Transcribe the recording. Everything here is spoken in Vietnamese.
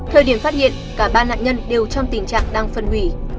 thời điểm phát hiện cả ba nạn nhân đều trong tình trạng đang phân hủy